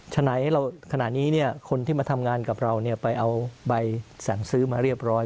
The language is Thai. ฉะนั้นขณะนี้คนที่มาทำงานกับเราไปเอาใบสั่งซื้อมาเรียบร้อย